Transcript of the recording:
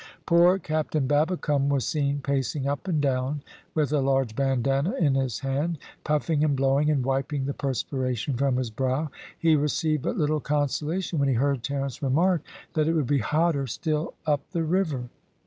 Poor Captain Babbicome was seen pacing up and down with a large bandanna in his hand, puffing and blowing, and wiping the perspiration from his brow. He received but little consolation when he heard Terence remark that it would be hotter still up the river.